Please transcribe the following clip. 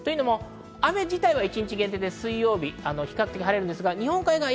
雨自体は一日限定で、水曜日は比較的、晴れます。